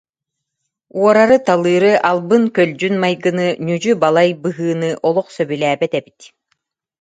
Уорары-талыыры, албын-көлдьүн майгыны, ньүдьү-балай быһыыны олох сөбүлээбэт эбит